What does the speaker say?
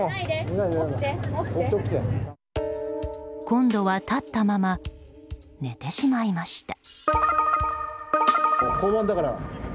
今度は立ったまま寝てしまいました。